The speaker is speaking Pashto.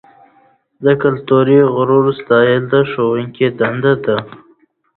د کلتوري غرور ساتل د ښوونکي دنده ده.